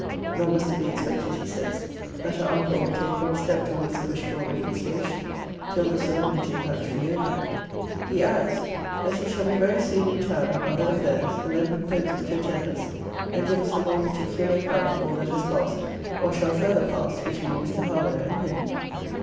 ] Nor must it be expected, he says, that her uncle will take one step towards the wished for reconciliation, till the solemnity is actually over.' He adds, 'that he shall be very soon in town on other affairs; and then proposes to attend us, and give us a more particular account of all that has passed, or shall further pass, between Mr. Harlowe and him.'